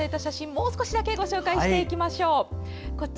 もう少しだけご紹介していきましょう。